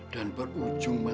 dan berujung mentari